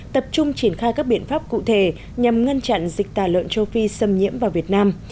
tập trung triển khai các biện pháp cụ thể nhằm ngăn chặn dịch tả lợn châu phi xâm nhiễm vào việt nam